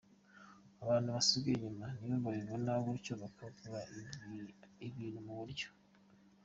Abantu basigaye inyuma nibo babibona gutyo bagakura ibintu mu buryo.